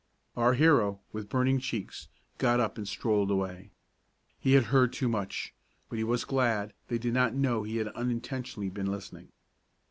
Our hero, with burning cheeks, got up and strolled away. He had heard too much, but he was glad they did not know he had unintentionally been listening.